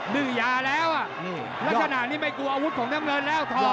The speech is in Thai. ดื้อยาแล้วลักษณะนี้ไม่กลัวอาวุธของน้ำเงินแล้วทอ